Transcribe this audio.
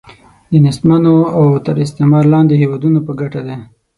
د نېستمنو او تر استعمار لاندې هیوادونو په ګټه دی.